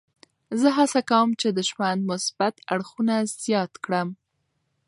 زه هڅه کوم چې د ژوند مثبت اړخونه زیات کړم.